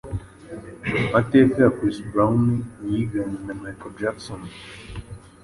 Amateka ya Chris Brown wiganye na Micheal Jackson